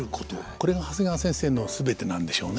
これが長谷川先生の全てなんでしょうね。